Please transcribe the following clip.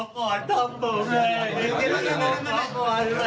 ก๊อมพืช